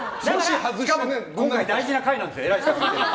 今回、大事な回なんです。